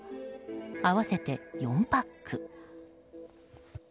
合わせて４パック。